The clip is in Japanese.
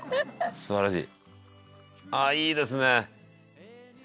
「素晴らしい！」